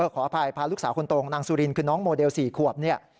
ขออภัยพาลูกสาวคนโตของนางสุรินคือน้องโมเดล๔ขวบเนี่ย